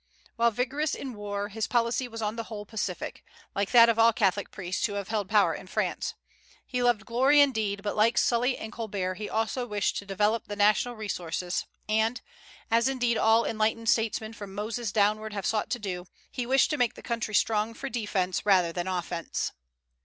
While vigorous in war, his policy was on the whole pacific, like that of all Catholic priests who have held power in France. He loved glory indeed, but, like Sully and Colbert, he also wished to develop the national resources; and, as indeed all enlightened statesmen from Moses downward have sought to do, he wished to make the country strong for defence rather than offence.